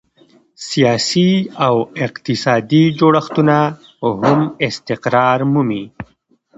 سیاسي او اقتصادي جوړښتونه هم استقرار مومي.